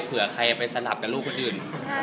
เผื่อใครไปสลับกับลูกคนอื่น